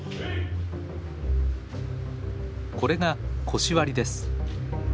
これが腰割りです。